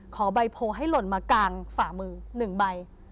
ขอใบโพลให้หล่นมากลางฝ่ามือ๑ใบ